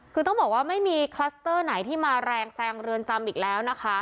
คือต้องบอกว่าไม่มีคลัสเตอร์ไหนที่มาแรงแซงเรือนจำอีกแล้วนะคะ